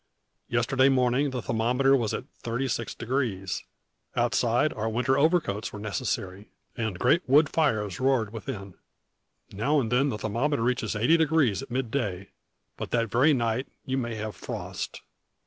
Yesterday morning, the thermometer was at thirty six degrees. Outside, our winter overcoats were necessary; and great wood fires roared within. Now and then the thermometer reaches eighty degrees at mid day; but, that very night, you may have frost.